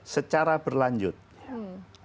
secara berlanjut hmm